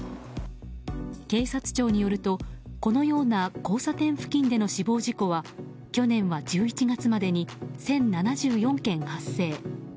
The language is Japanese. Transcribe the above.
警察庁によると、このような交差点付近での死亡事故は去年は１１月までに１０７４件発生。